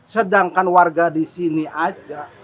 sedangkan warga disini aja